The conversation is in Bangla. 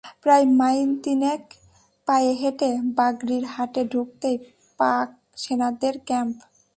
প্রায় মাইল তিনেক পায়ে হেঁটে বাগড়ির হাটে ঢুকতেই পাক সেনাদের ক্যাম্প।